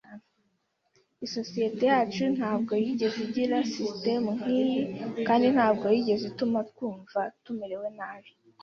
Isosiyete yacu ntabwo yigeze igira sisitemu nkiyi, kandi ntabwo yigeze ituma twumva tumerewe nabi